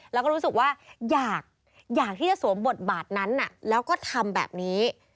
แล้วก็รู้สึกว่าอยากที่จะสวมบทบาทนั้นแล้วก็ทำแบบนี้